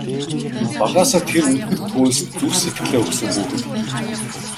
Багаасаа тэр үлгэр туульст зүрх сэтгэлээ өгсөн хүүхэд.